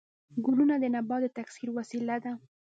ګلونه د نبات د تکثیر وسیله ده